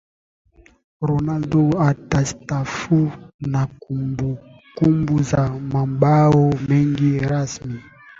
Ronaldo atastaafu na kumbukumbu za mabao mengi rasmi